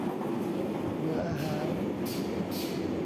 เบื่ออาหาร